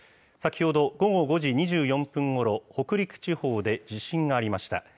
先ほど午後５時２４分ごろ、北陸地方で地震がありました。